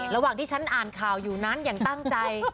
ระหว่างที่ฉันอ่านข่าวอยู่นั้นอย่างตั้งใจ